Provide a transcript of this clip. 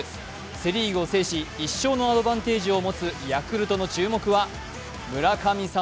セ・リーグを制し、一勝のアドバンテージを持つヤクルトの注目は村神様